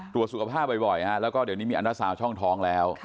ตรวจสุขภาพบ่อยแล้วก็เดี๋ยวนี้มีอันดาซาวช่องท้องแล้ว